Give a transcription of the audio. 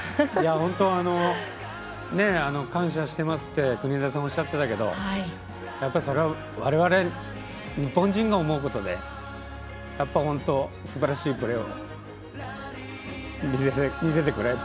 本当に感謝していますって国枝さんがおっしゃっていたけどわれわれ日本人が思うことで、すばらしいプレーを見せてくれて。